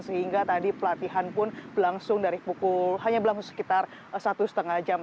sehingga tadi pelatihan pun berlangsung dari pukul hanya berlangsung sekitar satu lima jam